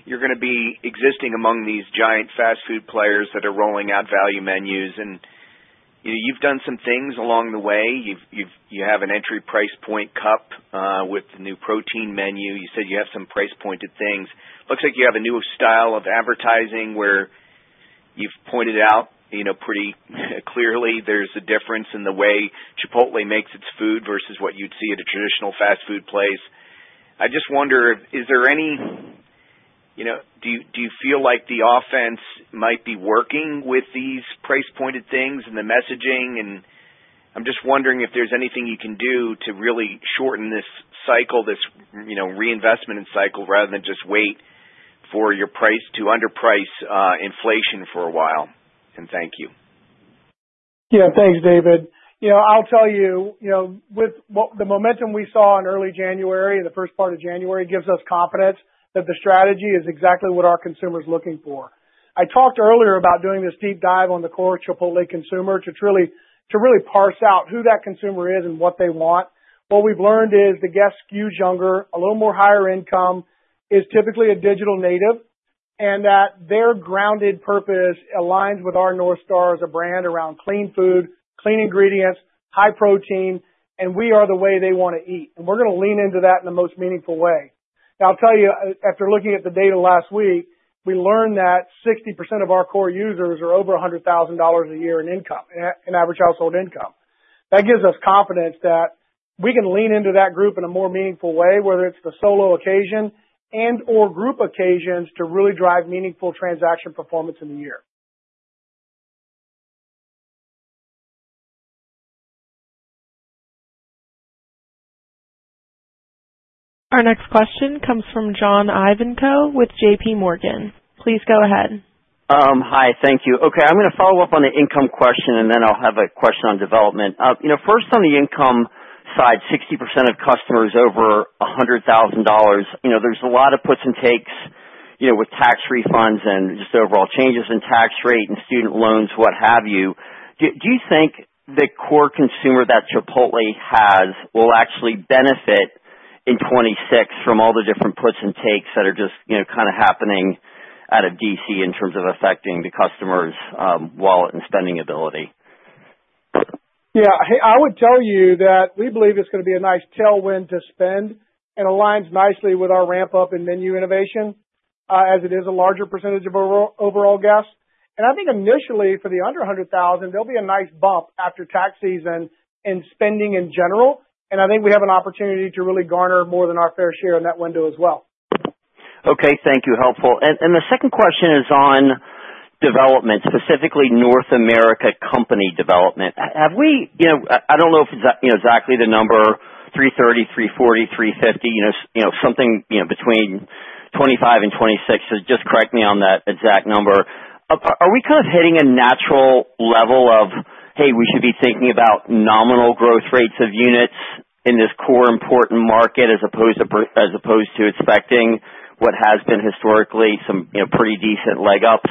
you're going to be existing among these giant fast food players that are rolling out value menus. You've done some things along the way. You have an entry price point cup with the new protein menu. You said you have some price-pointed things. Looks like you have a new style of advertising where you've pointed out pretty clearly there's a difference in the way Chipotle makes its food versus what you'd see at a traditional fast food place. I just wonder, is there any? Do you feel like the offense might be working with these price-pointed things and the messaging? I'm just wondering if there's anything you can do to really shorten this cycle, this reinvestment cycle, rather than just wait for your price to underprice inflation for a while. Thank you.
Yeah. Thanks, David. I'll tell you, with the momentum we saw in early January, the first part of January, gives us confidence that the strategy is exactly what our consumer's looking for. I talked earlier about doing this deep dive on the core Chipotle consumer to really parse out who that consumer is and what they want. What we've learned is the guests skewed younger, a little more higher income, is typically a digital native and that their grounded purpose aligns with our North Star as a brand around clean food, clean ingredients, high protein, and we are the way they want to eat. And we're going to lean into that in the most meaningful way. Now, I'll tell you, after looking at the data last week, we learned that 60% of our core users are over $100,000 a year in average household income. That gives us confidence that we can lean into that group in a more meaningful way, whether it's the solo occasion and/or group occasions, to really drive meaningful transaction performance in the year.
Our next question comes from John Ivankoe with JPMorgan. Please go ahead.
Hi. Thank you. Okay. I'm going to follow up on the income question, and then I'll have a question on development. First, on the income side, 60% of customers over $100,000. There's a lot of puts and takes with tax refunds and just overall changes in tax rate and student loans, what have you. Do you think the core consumer that Chipotle has will actually benefit in 2026 from all the different puts and takes that are just kind of happening out of D.C. in terms of affecting the customer's wallet and spending ability?
Yeah. I would tell you that we believe it's going to be a nice tailwind to spend and aligns nicely with our ramp-up in menu innovation as it is a larger percentage of overall guests. And I think initially, for the under 100,000, there'll be a nice bump after tax season in spending in general. And I think we have an opportunity to really garner more than our fair share in that window as well.
Okay. Thank you. Helpful. The second question is on development, specifically North America company development. Have we—I don't know if it's exactly the number—330, 340, 350, something between 25 and 26. So just correct me on that exact number. Are we kind of hitting a natural level of, "Hey, we should be thinking about nominal growth rates of units in this core important market as opposed to expecting what has been historically some pretty decent leg-ups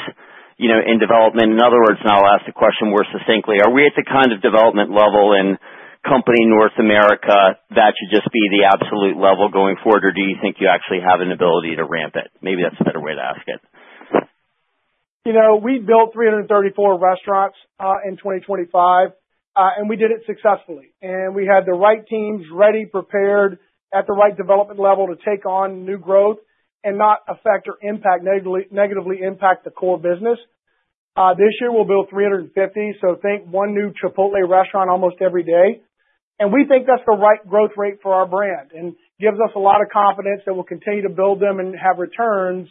in development?" In other words, and I'll ask the question more succinctly, are we at the kind of development level in company North America that should just be the absolute level going forward, or do you think you actually have an ability to ramp it? Maybe that's a better way to ask it.
We built 334 restaurants in 2025, and we did it successfully. We had the right teams ready, prepared, at the right development level to take on new growth and not affect or negatively impact the core business. This year, we'll build 350. Think 1 new Chipotle restaurant almost every day. We think that's the right growth rate for our brand and gives us a lot of confidence that we'll continue to build them and have returns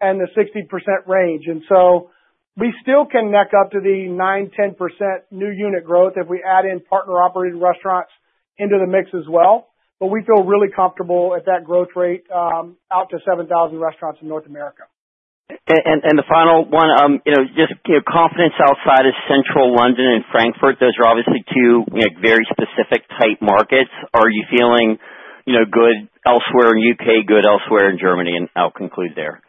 in the 60% range. So we still can tick up to the 9% to 10% new unit growth if we add in partner-operated restaurants into the mix as well. But we feel really comfortable at that growth rate out to 7,000 restaurants in North America.
The final one, just confidence outside of Central London and Frankfurt. Those are obviously two very specific-type markets. Are you feeling good elsewhere in U.K., good elsewhere in Germany? I'll conclude there.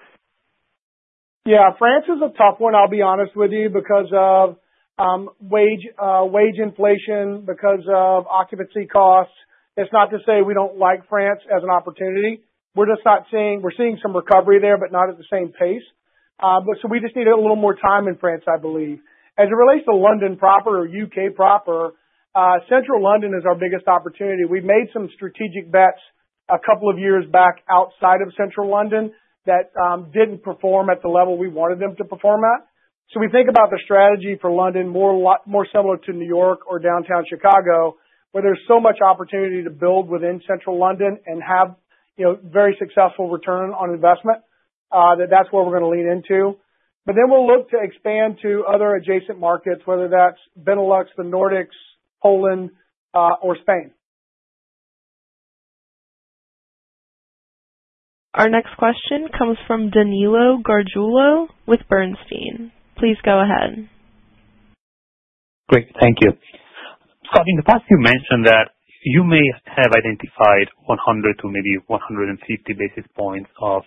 Yeah. France is a tough one, I'll be honest with you, because of wage inflation, because of occupancy costs. It's not to say we don't like France as an opportunity. We're just not seeing. We're seeing some recovery there, but not at the same pace. So we just need a little more time in France, I believe. As it relates to London proper or U.K. proper, Central London is our biggest opportunity. We made some strategic bets a couple of years back outside of Central London that didn't perform at the level we wanted them to perform at. So we think about the strategy for London more similar to New York or downtown Chicago, where there's so much opportunity to build within Central London and have very successful return on investment, and that's where we're going to lean into. But then we'll look to expand to other adjacent markets, whether that's Benelux, the Nordics, Poland, or Spain.
Our next question comes from Danilo Gargiulo with Bernstein. Please go ahead.
Great. Thank you. Scott, in the past, you mentioned that you may have identified 100 to maybe 150 basis points of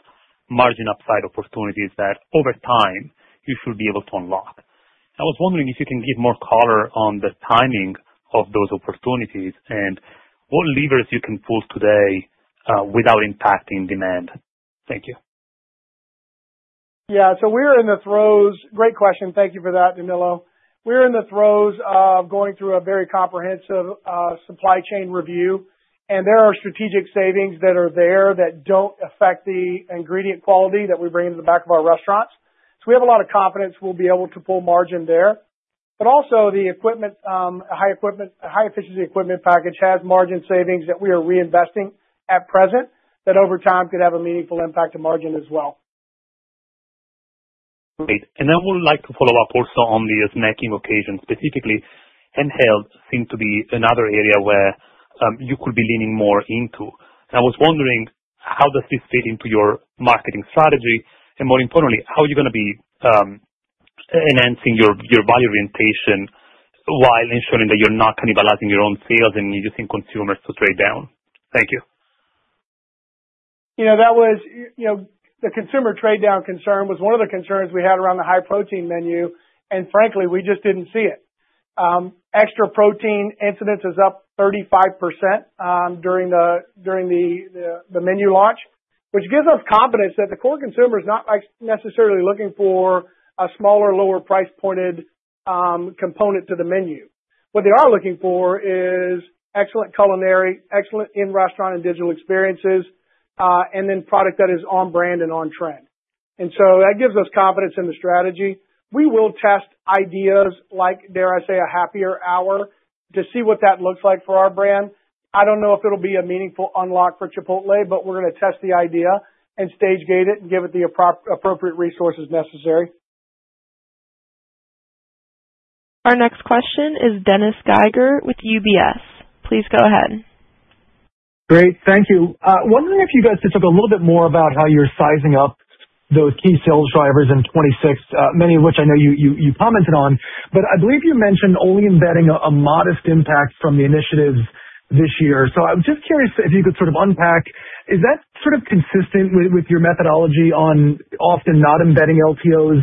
margin upside opportunities that, over time, you should be able to unlock. I was wondering if you can give more color on the timing of those opportunities and what levers you can pull today without impacting demand. Thank you.
Yeah. So we are in the throes. Great question. Thank you for that, Danilo. We are in the throes of going through a very comprehensive supply chain review. And there are strategic savings that are there that don't affect the ingredient quality that we bring into the back of our restaurants. So we have a lot of confidence we'll be able to pull margin there. But also, the high-efficiency equipment package has margin savings that we are reinvesting at present that, over time, could have a meaningful impact to margin as well.
Great. And then we'd like to follow up also on the snacking occasions. Specifically, in health seems to be another area where you could be leaning more into. And I was wondering, how does this fit into your marketing strategy? And more importantly, how are you going to be enhancing your value orientation while ensuring that you're not cannibalizing your own sales and using consumers to trade down? Thank you.
That was the consumer trade-down concern was one of the concerns we had around the high-protein menu. Frankly, we just didn't see it. Extra protein incidence is up 35% during the menu launch, which gives us confidence that the core consumer's not necessarily looking for a smaller, lower-price-pointed component to the menu. What they are looking for is excellent culinary, excellent in-restaurant and digital experiences, and then product that is on-brand and on-trend. And so that gives us confidence in the strategy. We will test ideas like, dare I say, a happier hour to see what that looks like for our brand. I don't know if it'll be a meaningful unlock for Chipotle, but we're going to test the idea and stage-gate it and give it the appropriate resources necessary.
Our next question is Dennis Geiger with UBS. Please go ahead.
Great. Thank you. Wondering if you guys could talk a little bit more about how you're sizing up those key sales drivers in 2026, many of which I know you commented on. But I believe you mentioned only embedding a modest impact from the initiatives this year. So I was just curious if you could sort of unpack, is that sort of consistent with your methodology on often not embedding LTOs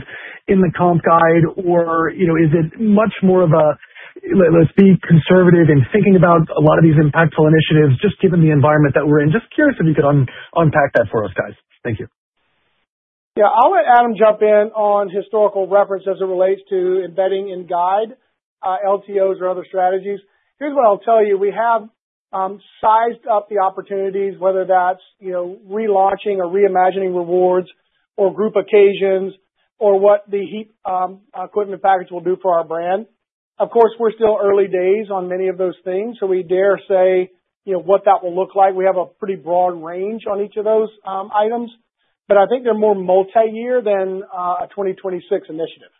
in the comp guide? Or is it much more of a, "Let's be conservative in thinking about a lot of these impactful initiatives just given the environment that we're in"? Just curious if you could unpack that for us, guys. Thank you.
Yeah. I'll let Adam jump in on historical reference as it relates to embedding in guide, LTOs, or other strategies. Here's what I'll tell you. We have sized up the opportunities, whether that's relaunching or reimagining rewards or group occasions or what the new equipment package will do for our brand. Of course, we're still early days on many of those things. So we can't say what that will look like. We have a pretty broad range on each of those items. But I think they're more multi-year than a 2026 initiative.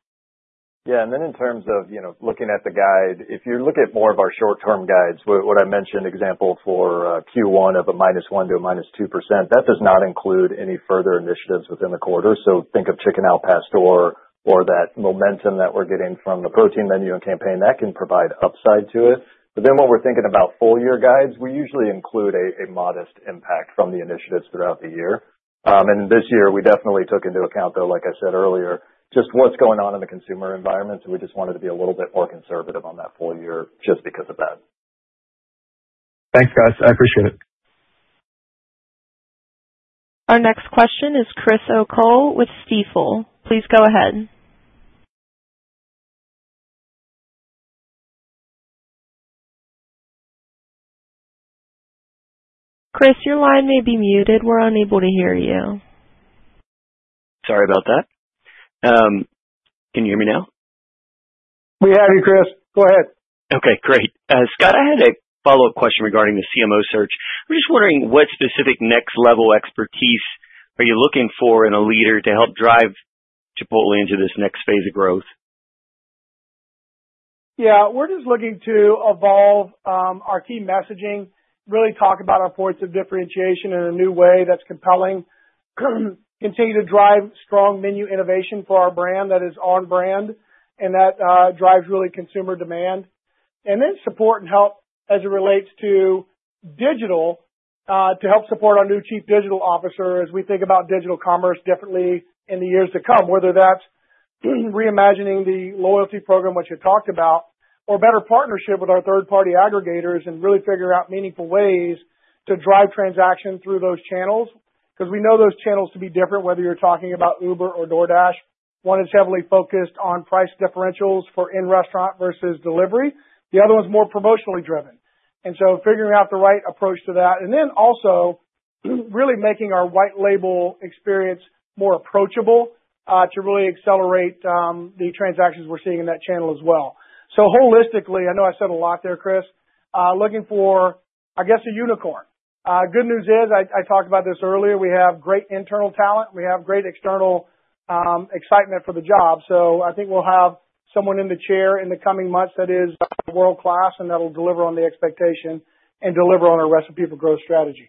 Yeah. Then in terms of looking at the guide, if you look at more of our short-term guides, what I mentioned, example for Q1 of -1% to -2%, that does not include any further initiatives within the quarter. Think of Chicken Al Pastor or that momentum that we're getting from the protein menu and campaign. That can provide upside to it. But then when we're thinking about full-year guides, we usually include a modest impact from the initiatives throughout the year. This year, we definitely took into account, though, like I said earlier, just what's going on in the consumer environment. So we just wanted to be a little bit more conservative on that full year just because of that.
Thanks, guys. I appreciate it.
Our next question is Chris O'Cull with Stifel. Please go ahead. Chris, your line may be muted. We're unable to hear you.
Sorry about that. Can you hear me now?
We have you, Chris. Go ahead.
Okay. Great. Scott, I had a follow-up question regarding the CMO search. I'm just wondering, what specific next-level expertise are you looking for in a leader to help drive Chipotle into this next phase of growth?
Yeah. We're just looking to evolve our key messaging, really talk about our points of differentiation in a new way that's compelling, continue to drive strong menu innovation for our brand that is on-brand, and that drives really consumer demand, and then support and help as it relates to digital to help support our new Chief Digital Officer as we think about digital commerce differently in the years to come, whether that's reimagining the loyalty program, which you talked about, or better partnership with our third-party aggregators and really figure out meaningful ways to drive transaction through those channels. Because we know those channels to be different, whether you're talking about Uber or DoorDash. One is heavily focused on price differentials for in-restaurant versus delivery. The other one's more promotionally driven. And so figuring out the right approach to that and then also really making our white-label experience more approachable to really accelerate the transactions we're seeing in that channel as well. So holistically, I know I said a lot there, Chris, looking for, I guess, a unicorn. Good news is, I talked about this earlier, we have great internal talent. We have great external excitement for the job. So I think we'll have someone in the chair in the coming months that is world-class and that'll deliver on the expectation and deliver on our Recipe for Growth strategy.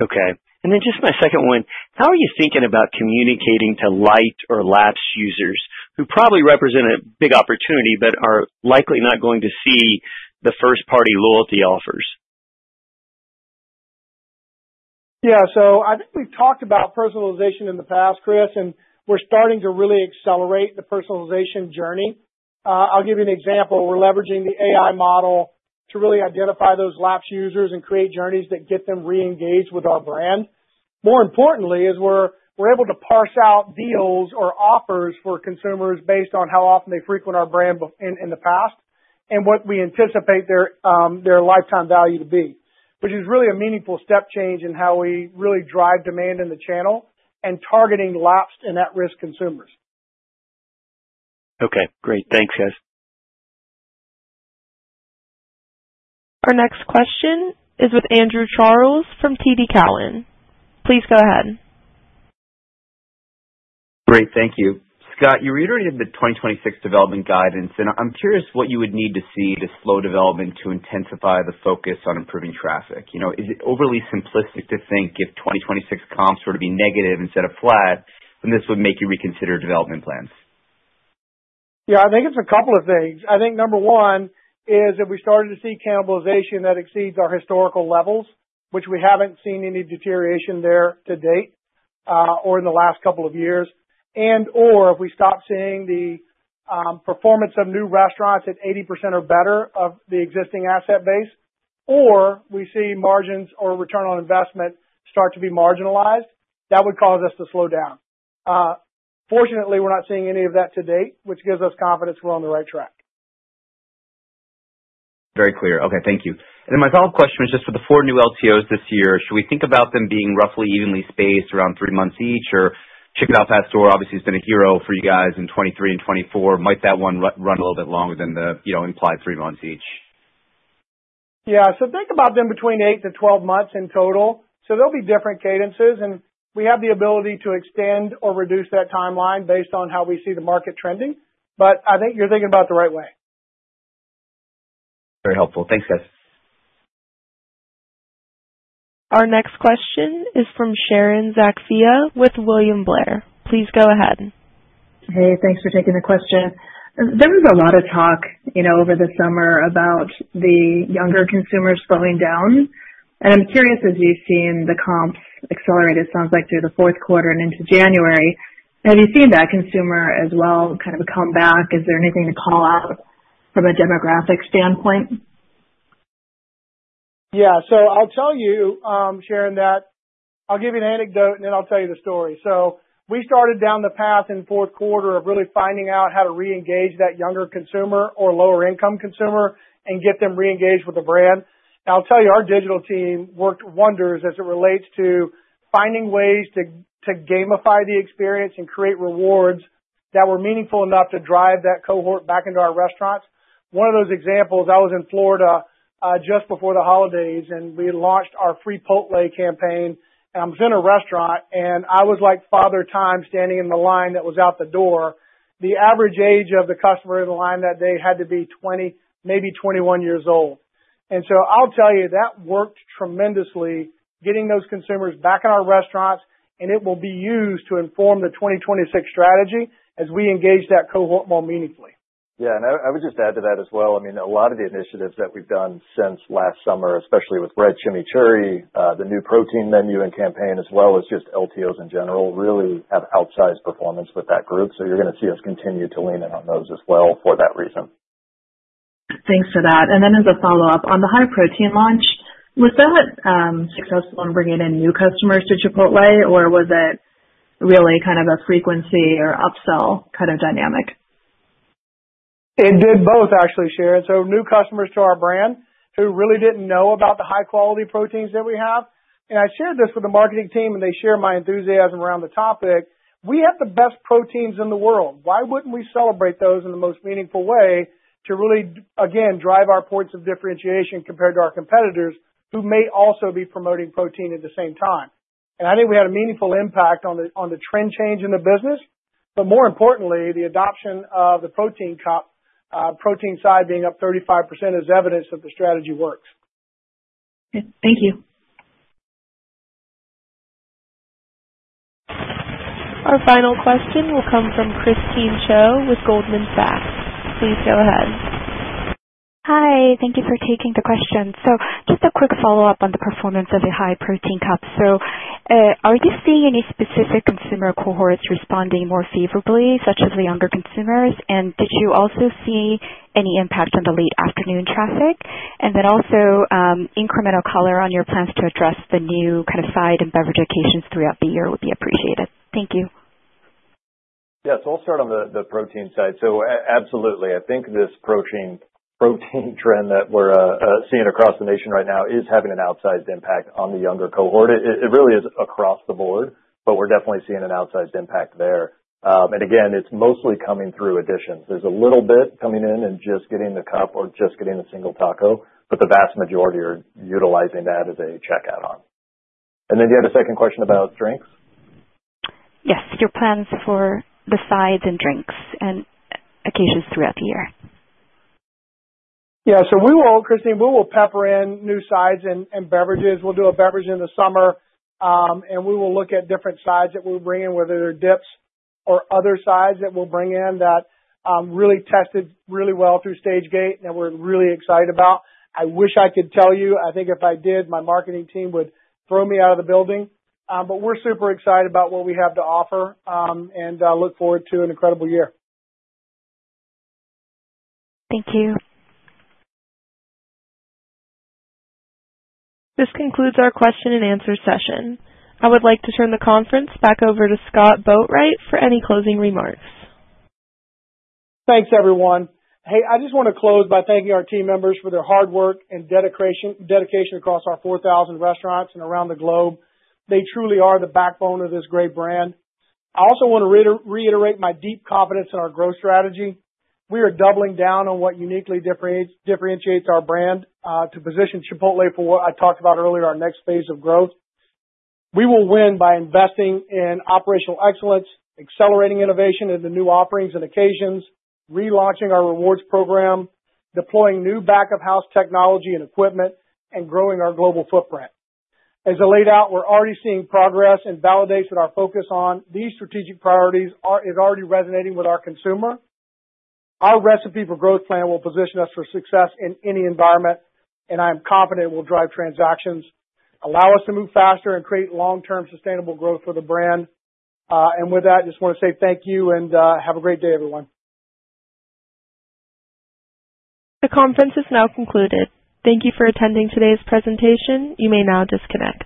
Okay. And then just my second one, how are you thinking about communicating to lapsed users who probably represent a big opportunity but are likely not going to see the first-party loyalty offers?
Yeah. So I think we've talked about personalization in the past, Chris, and we're starting to really accelerate the personalization journey. I'll give you an example. We're leveraging the AI model to really identify those lapsed users and create journeys that get them reengaged with our brand. More importantly, we're able to parse out deals or offers for consumers based on how often they frequent our brand in the past and what we anticipate their lifetime value to be, which is really a meaningful step change in how we really drive demand in the channel and targeting lapsed and at-risk consumers.
Okay. Great. Thanks, guys.
Our next question is with Andrew Charles from TD Cowen. Please go ahead.
Great. Thank you. Scott, you reiterated the 2026 development guidance. I'm curious what you would need to see to slow development to intensify the focus on improving traffic. Is it overly simplistic to think if 2026 comps were to be negative instead of flat, then this would make you reconsider development plans?
Yeah. I think it's a couple of things. I think number one is if we started to see cannibalization that exceeds our historical levels, which we haven't seen any deterioration there to date or in the last couple of years, and/or if we stop seeing the performance of new restaurants at 80% or better of the existing asset base, or we see margins or return on investment start to be marginalized, that would cause us to slow down. Fortunately, we're not seeing any of that to date, which gives us confidence we're on the right track.
Very clear. Okay. Thank you. And then my follow-up question was just for the 4 new LTOs this year, should we think about them being roughly evenly spaced around 3 months each? Or Chicken Al Pastor, obviously, has been a hero for you guys in 2023 and 2024. Might that one run a little bit longer than the implied 3 months each?
Yeah. So think about them between 8-12 months in total. So there'll be different cadences. And we have the ability to extend or reduce that timeline based on how we see the market trending. But I think you're thinking about it the right way.
Very helpful. Thanks, guys.
Our next question is from Sharon Zackfia with William Blair. Please go ahead.
Hey. Thanks for taking the question. There was a lot of talk over the summer about the younger consumers slowing down. I'm curious, as you've seen the comps accelerate, it sounds like, through the fourth quarter and into January, have you seen that consumer as well kind of come back? Is there anything to call out from a demographic standpoint?
Yeah. So I'll tell you, Sharon, that I'll give you an anecdote, and then I'll tell you the story. So we started down the path in fourth quarter of really finding out how to reengage that younger consumer or lower-income consumer and get them reengaged with the brand. And I'll tell you, our digital team worked wonders as it relates to finding ways to gamify the experience and create rewards that were meaningful enough to drive that cohort back into our restaurants. One of those examples, I was in Florida just before the holidays, and we launched our Freepotle campaign. And I was in a restaurant, and I was like Father Time standing in the line that was out the door. The average age of the customer in the line that day had to be 20, maybe 21 years old. I'll tell you, that worked tremendously, getting those consumers back in our restaurants. It will be used to inform the 2026 strategy as we engage that cohort more meaningfully.
Yeah. I would just add to that as well. I mean, a lot of the initiatives that we've done since last summer, especially with Red Chimichurri, the new protein menu and campaign, as well as just LTOs in general, really have outsized performance with that group. You're going to see us continue to lean in on those as well for that reason.
Thanks for that. And then as a follow-up, on the high-protein launch, was that successful in bringing in new customers to Chipotle, or was it really kind of a frequency or upsell kind of dynamic?
It did both, actually, Sharon. So new customers to our brand who really didn't know about the high-quality proteins that we have. And I shared this with the marketing team, and they share my enthusiasm around the topic. We have the best proteins in the world. Why wouldn't we celebrate those in the most meaningful way to really, again, drive our points of differentiation compared to our competitors who may also be promoting protein at the same time? And I think we had a meaningful impact on the trend change in the business. But more importantly, the adoption of the protein cup, protein side being up 35% is evidence that the strategy works.
Great. Thank you.
Our final question will come from Christine Cho with Goldman Sachs. Please go ahead.
Hi. Thank you for taking the question. So just a quick follow-up on the performance of the high-protein cups. So are you seeing any specific consumer cohorts responding more favorably, such as the younger consumers? And did you also see any impact on the late afternoon traffic? And then also, incremental color on your plans to address the new kind of side and beverage occasions throughout the year would be appreciated. Thank you.
Yes. I'll start on the protein side. So absolutely. I think this protein trend that we're seeing across the nation right now is having an outsized impact on the younger cohort. It really is across the board, but we're definitely seeing an outsized impact there. And again, it's mostly coming through additions. There's a little bit coming in and just getting the cup or just getting the single taco, but the vast majority are utilizing that as a checkout add-on. And then do you have a second question about drinks?
Yes. Your plans for the sides and drinks and occasions throughout the year.
Yeah. So Christine, we will pepper in new sides and beverages. We'll do a beverage in the summer, and we will look at different sides that we'll bring in, whether they're dips or other sides that we'll bring in that really tested really well through Stage-Gate that we're really excited about. I wish I could tell you. I think if I did, my marketing team would throw me out of the building. But we're super excited about what we have to offer and look forward to an incredible year.
Thank you.
This concludes our question-and-answer session. I would like to turn the conference back over to Scott Boatwright for any closing remarks.
Thanks, everyone. Hey, I just want to close by thanking our team members for their hard work and dedication across our 4,000 restaurants and around the globe. They truly are the backbone of this great brand. I also want to reiterate my deep confidence in our growth strategy. We are doubling down on what uniquely differentiates our brand to position Chipotle for what I talked about earlier, our next phase of growth. We will win by investing in operational excellence, accelerating innovation in the new offerings and occasions, relaunching our rewards program, deploying new back-of-house technology and equipment, and growing our global footprint. As I laid out, we're already seeing progress and validates that our focus on these strategic priorities is already resonating with our consumer. Our Recipe for Growth plan will position us for success in any environment, and I am confident it will drive transactions, allow us to move faster, and create long-term, sustainable growth for the brand. With that, I just want to say thank you and have a great day, everyone.
The conference is now concluded. Thank you for attending today's presentation. You may now disconnect.